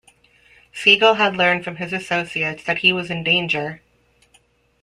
Siegel had learned from his associates that he was in danger.